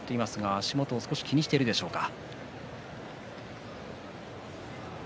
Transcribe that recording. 足元を少し気にしているでしょうか。